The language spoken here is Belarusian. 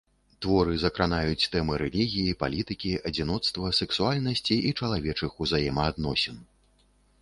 Творы закранаюць тэмы рэлігіі, палітыкі, адзіноцтва, сэксуальнасці і чалавечых узаемаадносін.